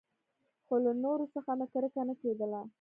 خو له نورو څخه مې کرکه نه کېدله.